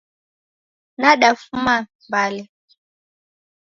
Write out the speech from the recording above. Nadafuma Mbale